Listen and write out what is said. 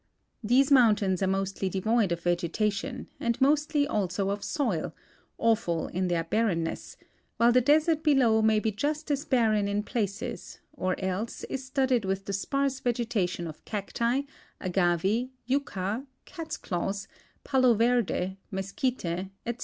These mountains are mostly devoid of vegeta tion and mostly also of soil, awful in their barrenness, while the desert below may be just as barren in places or else is studded with the sparse vegetation of cacti, agave, yucca, catsclaws, palo verde, mesquite, etc.